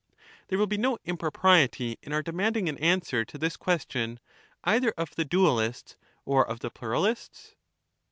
There will be no impropriety in our demanding an answer to this question, either of the dualists or of the pluralists